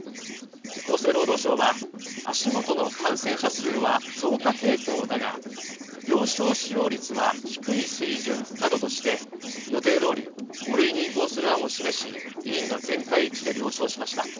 厚生労働省は、足元の感染者数は増加傾向だが、病床使用率は低い水準などとして、予定どおり５類に移行する案を示し、委員が全会一致で了承しました。